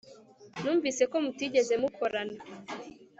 Numvise ko mutigeze mukorana